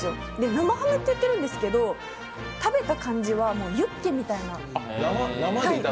生ハムっていってるんですけど、食べた感じはもうユッケみたいな。